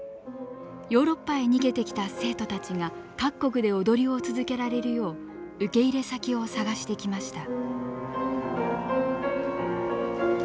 ヨーロッパへ逃げてきた生徒たちが各国で踊りを続けられるよう受け入れ先を探してきました。